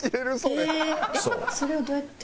えっそれはどうやって。